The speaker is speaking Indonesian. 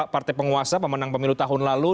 partai penguasa pemenang pemilu tahun lalu